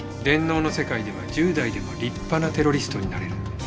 電脳の世界では１０代でも立派なテロリストになれる。